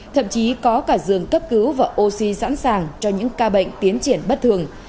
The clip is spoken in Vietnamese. thậm chí có cả giường cấp cứu và oxy sẵn sàng cho những ca bệnh tiến triển bất thường